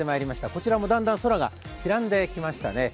こちらもだんだん空が白んできましたね。